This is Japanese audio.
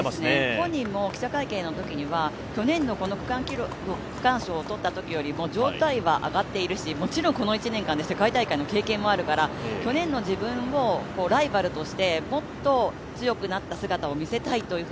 本人も記者会見のときには去年の区間賞を取ったときよりも状態は上がっているし、もちろんこの１年間で世界大会の経験もあるから、去年の自分をライバルとしてもっと強くなった姿を見せたいと。